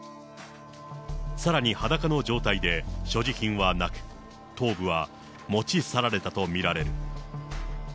さらに裸の状態で所持品はなく、頭部は持ち去られたと見られる。